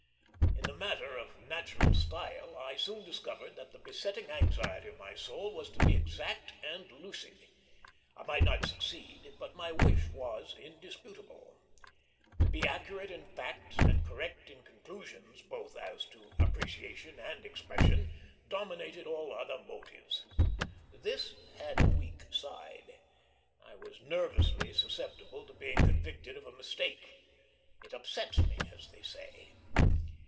In the matter of natural style I soon discovered that the besetting anxiety of my soul was to be exact and lucid. I might not succeed, but my wish was indisputable. To be accurate in facts and correct in conclusions, both as to appreciation and expression, dominated all other motives. This had a weak side. I was nervously susceptible to being convicted of a mistake; it upset me, as they say.